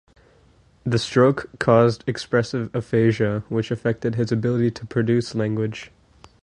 The stroke caused expressive aphasia, which affected his ability to produce language.